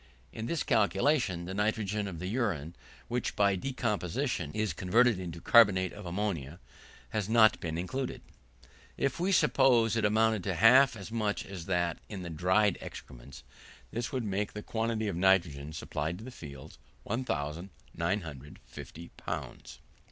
In this calculation the nitrogen of the urine, which by decomposition is converted into carbonate of ammonia, has not been included. If we suppose it amounted to half as much as that in the dried excrements, this would make the quantity of nitrogen supplied to the fields 1,950 pounds.